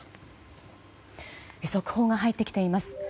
速報が入ってきています。